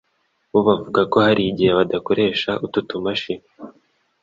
bo bavuga ko hari igihe badakoresha utu tumashini